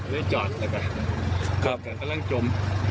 เลยจอดแล้วก็กำลังจม